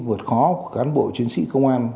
vượt khó của cán bộ chiến sĩ công an